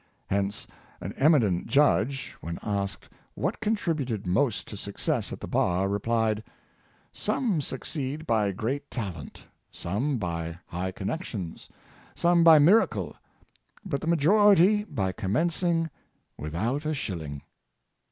Hence, an eminent judge, when asked what contributed most to success at the bar, replied, " Some succeed by great talent, some by high connections, some by miracle, but the majority by commencing without a shilling."